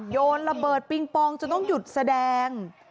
โยนระเบิดปิงปองจนต้องหยุดแสดง